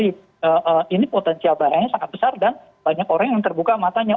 kita juga perlu menyadari ini potensial barangnya sangat besar dan banyak orang yang terbuka matanya